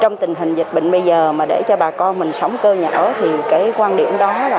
trong tình hình dịch bệnh bây giờ mà để cho bà con mình sống cơ nhà ở thì cái quan điểm đó là